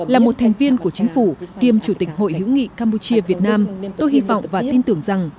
là một thành viên của chính phủ kiêm chủ tịch hội hữu nghị campuchia việt nam tôi hy vọng và tin tưởng rằng